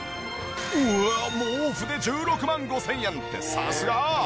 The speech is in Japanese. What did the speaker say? うわっ毛布で１６万５０００円ってさすが！